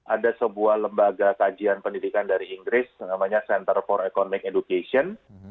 ada sebuah lembaga kajian pendidikan dari inggris namanya center for economic education